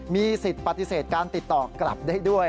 มีสิทธิ์ปฏิเสธการติดต่อกลับได้ด้วย